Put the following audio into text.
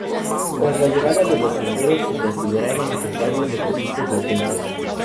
Tras la llegada de los bomberos, se consideraron necesarios los equipos de urgencias.